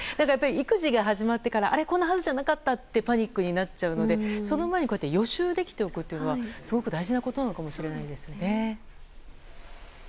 育児が始まってからあれこんなはずじゃなかったとパニックになっちゃうのでその前に予習できるのがすごく大事なことなのかもしれないですね。